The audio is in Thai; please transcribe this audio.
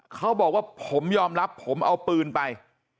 เขาบอกว่าผมยอมรับผมเอาปืนไป